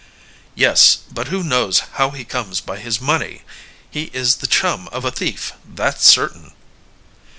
"Yes, but who knows how he comes by his money? He is the chum of a thief, that's certain."